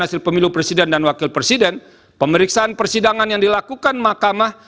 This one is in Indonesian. hasil pemilu presiden dan wakil presiden pemeriksaan persidangan yang dilakukan mahkamah